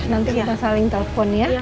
nanti kita saling telpon ya